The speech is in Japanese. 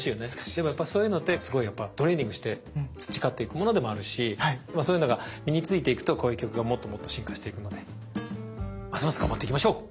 でもやっぱそういうのってすごいトレーニングして培っていくものでもあるしそういうのが身についていくとこういう曲がもっともっと進化していくのでますます頑張っていきましょう。